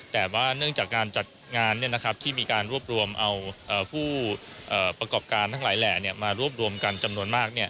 แต่ว่าเนื่องจากการจัดงานที่มีการรวบรวมเอาผู้ประกอบการทั้งหลายแหล่มารวบรวมกันจำนวนมาก